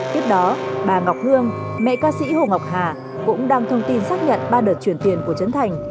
tiếp đó bà ngọc hương mẹ ca sĩ hồ ngọc hà cũng đăng thông tin xác nhận ba đợt chuyển tiền của trấn thành